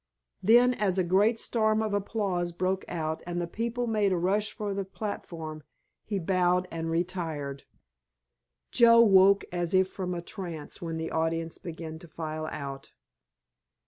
Then as a great storm of applause broke out and the people made a rush for the platform he bowed and retired. Joe woke as from a trance when the audience began to file out.